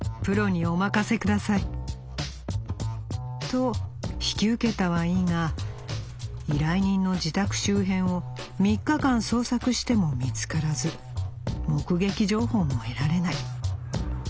「と引き受けたはいいが依頼人の自宅周辺を三日間捜索しても見つからず目撃情報も得られない。